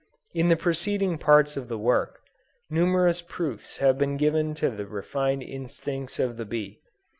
In the preceding parts of the work, numerous proofs have been given of the refined instincts of the bee.